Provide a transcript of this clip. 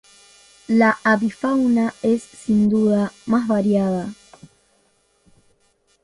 La avifauna es, sin duda, más variada.